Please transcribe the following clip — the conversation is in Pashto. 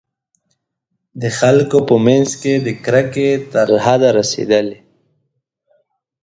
د خلکو په منځ کې د کرکې تر حده رسېدلي.